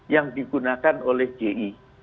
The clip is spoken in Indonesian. yang digunakan oleh gi